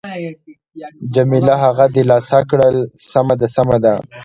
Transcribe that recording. جميله هغه دلاسا کړل: سمه ده، سمه ده.